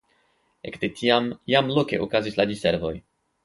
Ekde tiam jam loke okazis la diservoj.